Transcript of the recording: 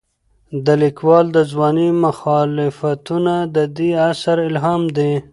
د لیکوال د ځوانۍ مخالفتونه د دې اثر الهام دي.